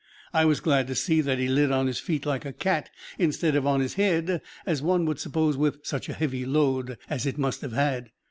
I was glad to see he lit on his feet like a cat, instead of on his head, as one would suppose with such a heavy "load" as it must have had.